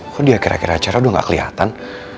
kok di akhir akhir acara udah gak kelihatan